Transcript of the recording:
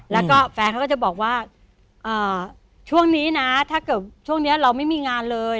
แล้วก็แฟนเขาก็จะบอกว่าช่วงนี้นะถ้าเกิดช่วงนี้เราไม่มีงานเลย